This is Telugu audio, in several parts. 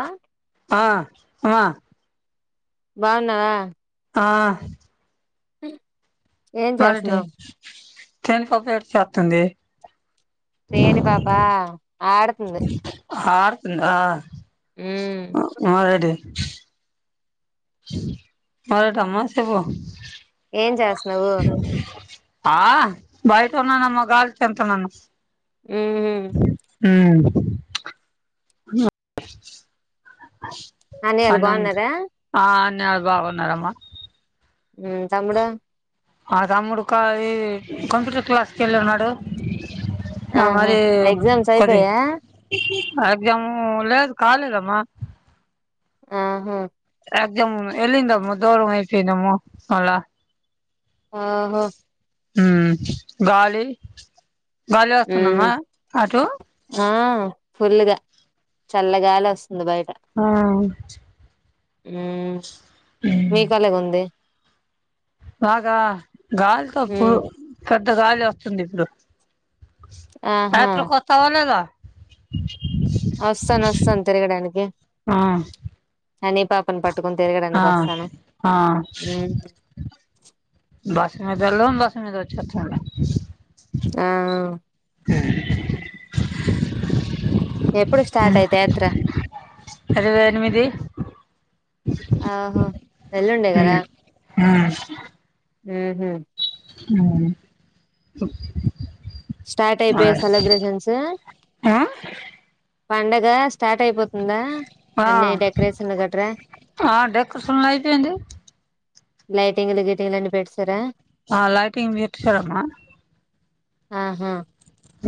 ఆ ఆ ఆ బాగున్నావా ఆ మ్మ్ మరుటి తేన్ పాప ఏటి చెత్తుంది తేనె పాపా ఆడతుంది ఆడతుంద ఆ మారేటి మరేటమ్మా సేప్పు ఏం చేస్తున్నావు ఆ బయట ఉన్నానమ్మ గాల్చంత నాను. ఉమ్ ఉమ్ అన్నయ్యలు పనుంది బాగున్నారా ఆ అందరు బాగున్నమ్మా. ఉమ్ తమ్ముడు ఆ తమ్ముడుకా ఈ కంప్యూటర్ క్లాస్కి వెళ్ళన్నాడు. అహా ఆహా అది ఎగ్జామ్స్ కొద్ది అయిపోయా ఎగ్జాము లేదు కాలేదమ్మా. ఆహా ఎజమ్ వెళ్లిందమ్మ దూరమైపోనమ్మ మల్ల ఆహా ఉమ్ గాలి గాలి మ్మ్ వస్తుందమ్మా అటు ఆ ఫుల్గా చల్లగాలి వస్తుంది బయట్ ఆ ఉమ్ మీ కేలగ ఉంది? బాగా గాలితోప్పుడు మ్మ్ పెద్ద గాలి వస్తుంది ఇప్పుడు. ఆహా రాత్రి కొత్తవా లేదా? వస్తాను వస్తాను తిరగడానికి, ఆ అని పాప్ ఆన్ని పట్టుకొని ఆ తిరగడానికి వస్తాను ఆ ఉమ్ సాజాలో ఉంది వచ్చి వచ్చు లే ఆ ఎప్పుడు స్టార్ట్ అయితే యాత్ర ఇరవై ఎనిమిది ఆహో వెళ్ళండి కదా, ఉమ్ ఉమ్ స్టార్ట్ అయిపోయే సెలబ్రేషన్స్, పండగ స్టార్ట్ అయిపోతు ఉందా అన్ని డెకరేషన్లు గట్రా. ఆ డెకరేషన్ అయిపోయింది లైటింగ్లు గీటింగ్ అని పెడ్సార ఆ లైటింగ్ పెట్టేసామా ఆహా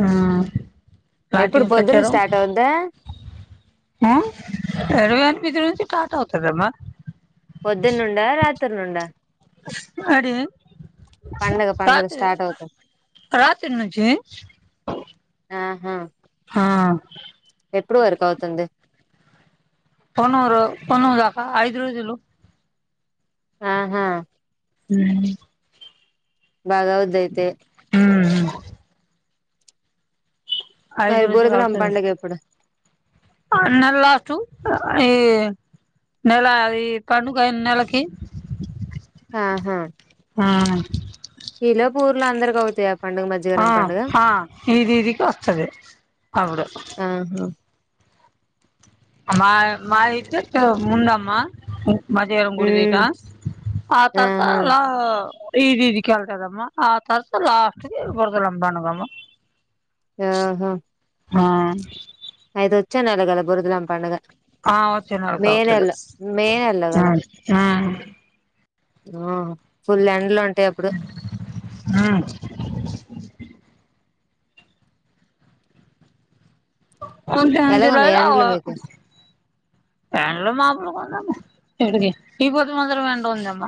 ఉమ్ కాటి ఎప్పుడు ఏం పొద్దున్న పెట్టారు? స్టార్ట్ అవుద్దా ఆ ఎరవ కనిపించ నుంచి టాటవుతుదమ్మా. పొద్దున్నుండా రాత్రి నుండ అడి పండగ పండగ రాత్రి స్టార్ట్ అవుతుంది రాత్రి నుంచి ఆహా హా ఎప్పుడు వరకు అవుతుంది. పన్నూరు పన్నూరు దాకా ఐదు రోజులు ఆహా ఉమ్ బాగా ఇదైతే ఉమ్ ఐదు మరి బూరదలమ్మ రోజులైతది పండగ ఎప్పుడు అన్నలస్టు ఈ నెల ఈ పండుగ నెలకి ఆహా ఆ ఇలోపూ ఉర్ల అందరికవుతయప్ ఆ ఆ ఇది ఇదికి వస్తది, అవును ఆహా అమ్మా మా ఇదేకె ముండమ్మ. మజరం గుడి దగ్గర, ఉమ్ ఆ ఆహా తర్వాతలా ఇది ఇది కళ్తదమ్ ఆ తరస లాస్ట్ ఇబడదలమ్బ అనగమ్మ ఆహా హా అఐదు వచ్చా నెల్ల కదా బురదలామ్ పండగ ఆ వచ్చ నాల అవుతుంది మే నెలలో కదా ఆ ఫుల్లండ్ లో ఉంట ఆ కొంట ఎలాగున్నాయి జులైలో ఎండలు మీకు పలో మాపులు ఇగి ఇ పదు మాత్రర వెండ ఉంద అమ్మ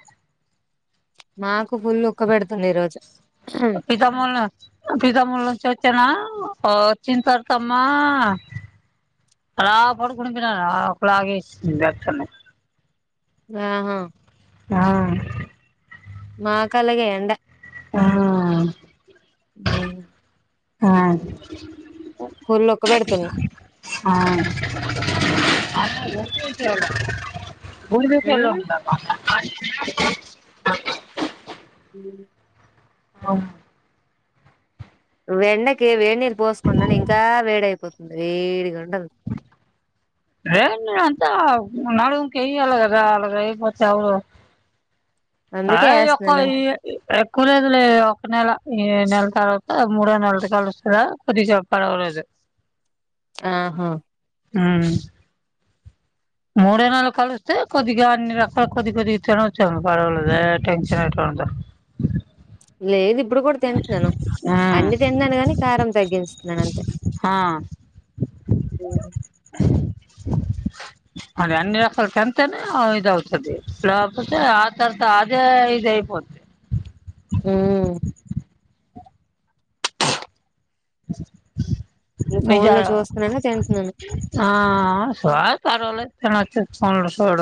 మా పితముూల్ పితాముూల్ చె చ్చనా చిింతారు తమ్మా అలా పడుకుందిిన ఒక ఆగే వ ఆహా ఆ మాకలగ ఏంట ఆ ఆ ఫుల్ ఉక్క పెడుతున్నా అ గుడి దస ఎలో ఉమ్, ఉంటా [unintelligible] [inaudible] అవు ఏండకి వేడి నీరు పోసుకుండానే ఇంకా వేడయిపోతుంది వేడి కంట రే అంత నడుం కయ అలా అలా మ అరు అ అందుకే అక్క వేస్తున్నాను ఈ ఎకునేదులే ఎనేలా ఈ నెల తలుత మూడ నెలత కలుస్తల కొది చెప్పడరుదు ఆహా ఉమా మూడేనాళ్ళు కలిస్తే కొద్దిగా అన్ని రకాల కొద్ది కొద్దిగా తనే వచ్చింది పడవలేదే టెన్షన్ అంటే లేదు ఇప్పుడు కూడా తింటున్నాను ఉమ్ అన్ని తిన్నాను కాని కారం తగ్గస్తున్నాను అంతే ఆ అ [inaudible] అదే అన్ని రసలు కంతనే ఇవుతుదిలాపోతే ఆ తరత అదే ఇ పోతు హ [unintelligible] మీజ ఫోన్ లో చూస్తున్నాను తింటున్నాను అ స సల నచ్చ ఫోడ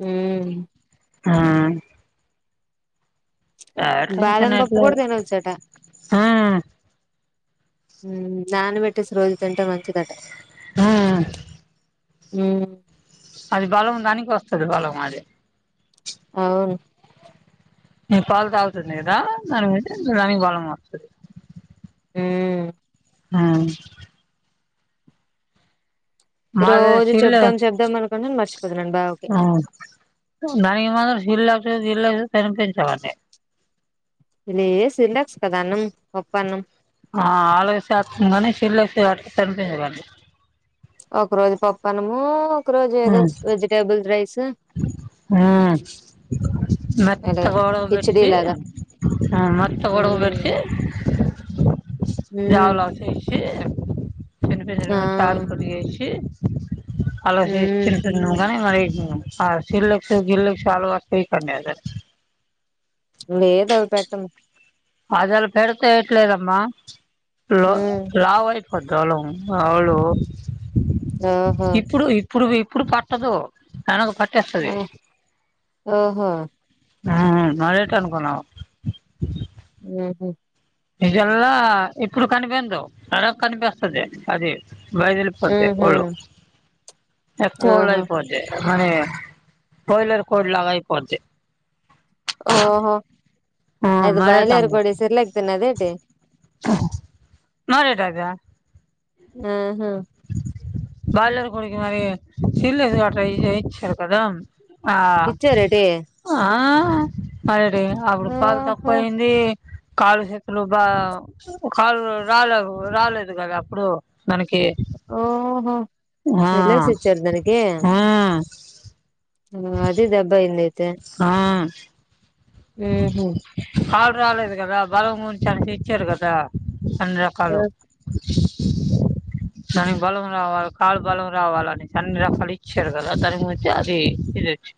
హ ఆ ఏ బాదం టెన్షన్ పప్పు కూడా ఎట్లేదు తినవచ్చుట ఉమ్ నాన పెట్టేసి రోజు తింటే మంచిదట ఆ అ అది బలం దానికి వస్తుది బలం అది అవును న పాలు తాగుతుంది కదా దాని మీద దానికి బలం మారుతుంది ఏ ఆ మాది రోజు జిల్లా చెప్దాం చెప్దాం అనుకుంటను మర్చిపోతున్నాను బావకి ఆ దానికి మళ్ళ జిల్లాకు జిల్లా [unintelligible] ఇది ఏ సిగ్నల్స్ ఆ [unintelligible] ఇల్లోత్తే వాటికి థంబ్ ఏయాలి ఒక రోజు పప్పనము ఒక రోజు ఏదో వెజిటేబుల్ రైస్ ఆ అలాగ కిచిడి మత్తగోడబడసి లాగా మత్తగోడ [inaudible] [inaudible] మ్మ్ మ్మ్ ఆ అలా మ్మ్ చేసింది నువ్ కానీ బా చేసింది ఆ శిలక గిలక ఆళ్లోత్తే [inaudible] లేదా అవి పెట్టం అదలా పెడతే ఇట్లేదమ్మా లావయి కొద్దళం ఆళు మ్మ్ హ్మ్ ఇప్పుడు ఇప్పుడు పట్టదు తనకు పట్ మ్మ్ ఓహో ఆ [unintelligible] అనుకున్నావు మ్మ్ హ్మ్ నిజంగా ఇప్పుడు కనిపీదు తర్వాత కనిపిస్తది అది వదలిపోతే మ్మ్ హు వాళ్ళు ఎక్కువ వాళ్ళు ఓహో అయిపోతే మనీ బాయిలర్ కోడ్ లాగా అయిపోద్ది ఓహో మ్మ్ అది మరేటి బాయిలర్ అనుకు కోడే సిర్లాక్ తినదా ఏంటి [unintelligible] అది మ్మ్ హ్మ్ బాయిలర్ కోడికి మరి సిర్లాక్ వాట ఇచ్చారు కదా ఆ ఇచ్చారేటి ఆ [unintelligible] అప్పుడు కాలు ఓహో తక్కువయింది కాళ్ళు, చేతులు బాగా కాలు రాలే రాలేదు కదా అప్పుడు దానికి ఓహో ఆ సెర్లాక్స్ ఇచ్చారు ఆ ఆ అదే దెబ్బయింది ఆ మ్మ్ హ్మ్ కాళ్ళు రాలేదు కదా బలం గురించి [inaudible] ఇచ్చారు కదా అన్ని రకాలు దానికి బలం రావాలి కాళ్ళు బలం రావాలని అన్ని రకాలు ఇచ్చారు కదా దాని [unintelligible] అది ఇదిచ్చి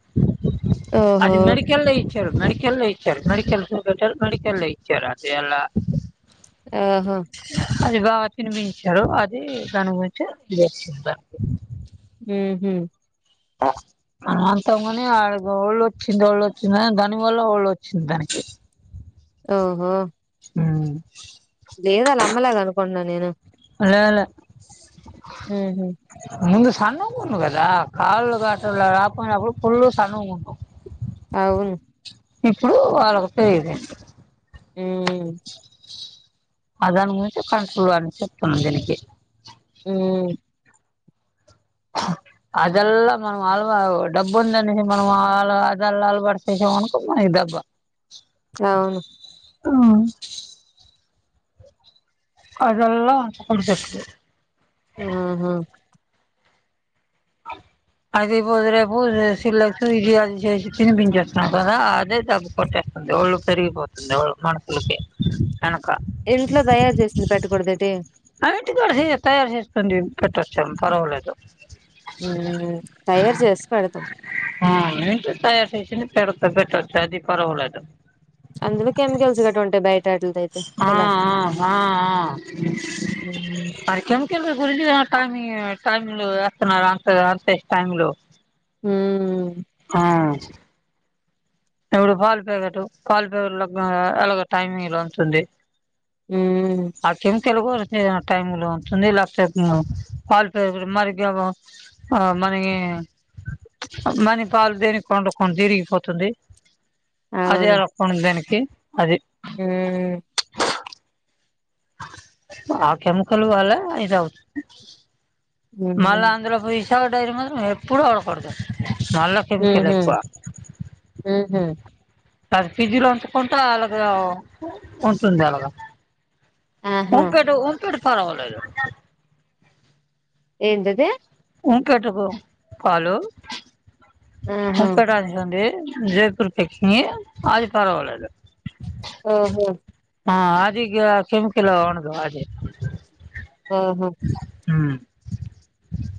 ఓహో అది మెడికల్ లో ఇచ్చారు మెడిక కల్ లో ఇచ్చారు మెడికెల్ బెటర్ మెడికెల్ ఇచ్చారు అదే ఎలా ఆహా ఇగా తినిపించారు అది దాని గురించి [inaudible] మ్మ్ హ్మ్ అంతంగాని అ ఒళ్ళు వచ్చింది ఒళ్ళు వచ్చింది దాని వల్ల ఒళ్ళు వచ్చింది దానికి ఓహా మ్మ్ అమ్మలాగా అనుకుంటన్నా నేను లేలే ఉహు నును సన్నగున్నావు కదా కాళ్ కాటల రాకపోయినా అప్పుడు ఫుల్ సన్నగున్నావు అవును ఇప్పుడు వాళ్ళకు తెలిదు మ్ అ దాని గురించి కంన్ చూడని చెప్తున్నా దీనికి మ్ అదలా మనం అలవా డబ్బు ఉందనేసి మనం అ అదలా అలవాడిసేసి అనుకో మనకి దేబ్బా అవును ఆ అదలా కొడుసక్తాద్ మ్ హు అది ఇ [unintelligible] చేస్తాం కదా అదే తగ్గిపోతద్ ఒళ్ళు పెరిగిపోతుందిళ్ళు ఎవలక్ మనుసులకి ఇంట్లో దయారు చేసింది పెట్టకూడదెంటి అన్నిటి కూడా తయారు చేసుకుంది పెట్టొచ్చు పర్వలేదు మ్ తయారు చేసి పెడుతాం ఆ తయారు చేసి పెడుత్ పెట్టోచ్చు అది పర్వలేదు అందులో కెమికల్స్ గట్ట ఉంటాయ్ బై ఆ ఆా ఉమ్ మరి కెమికల్లు గురిది కానీ టైమ్లు వేస్తున్నారు అంత అంతేసి టైమ్లు ఉమ్ ఆా ఇప్పుడు పాల్ ప్యాకెట్ పాల్ పేరుగు లకు ఎలా గు టైమిలా ఉంటుంది అకేం తెలుగు మ్ టైమ్ లో ఉంటుంది లేకపోతే మ్ పాల ప్యాకెట్ మరిగేవో ఆ మనకి మణిపాలు దేని కొడు కొ తిరిగిపోతుంది అది అలాక్కం దానికి అది మ్ ఆ కెమికల్ వాళ్ళ ఇదవుతు ఊహు మళ్ళ అందులో విశా డైరీ మాత్రం ఎప్పుడు అవ్వకుడదు అల్ల కెమికల్ ఊహు ఎక్కువ అది ఫిజీలో అంచుకుంట అలాగ ఉంటుంది అలాగా ఆహా ఊంపెడు ఊంపిేడు పర్వాలేదు ఏందది ఉంపెటుకు పాలు ఆహా ఉంపెదాసింది జయపూర్ పకిన్ అది పర్వాలేదు ఓహో ఆ అదిగ కెమికల్ ఉండదు అది ఓహో మ్